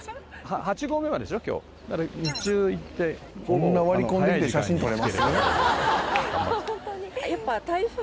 「そんな割り込んできて写真撮れます？」